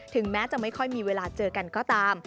แม้จะไม่ค่อยมีเวลาเจอกันก็ตาม